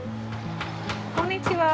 こんにちは。